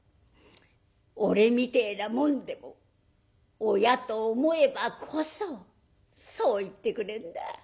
俺みてえな者でも親と思えばこそそう言ってくれんだ。